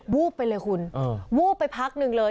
วูบไปเลยคุณวูบไปพักหนึ่งเลย